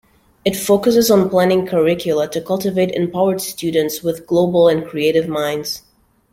It focuses on planning curricula to cultivate empowered students with global and creative minds.